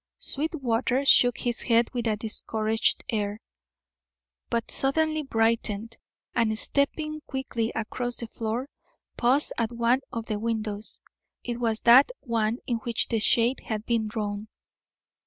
Sweetwater shook his head with a discouraged air, but suddenly brightened, and stepping quickly across the floor, paused at one of the windows. It was that one in which the shade had been drawn.